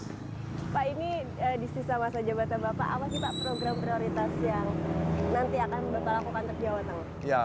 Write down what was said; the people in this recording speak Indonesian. pak ini di sisa masa jabatan bapak apa sih pak program prioritas yang nanti akan berlaku pantai jawa